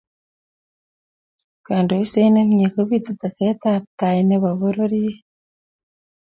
kandoishet nemye kupitu teset ab tai ne bo pororiet.